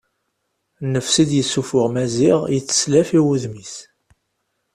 Nnefs i d-yessuffuɣ Maziɣ yetteslaf i wudem-is.